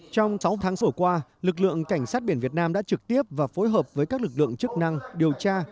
trong sáu tháng sổ qua lực lượng cảnh sát biển việt nam đã trực tiếp và phối hợp với các lực lượng chức năng điều tra